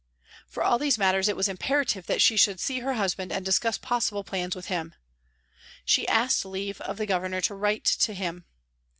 For all these matters it was imperative that she should see her husband and discuss possible plans with him. She asked leave of the Governor to write to him.